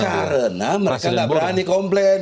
karena mereka tidak berani komplain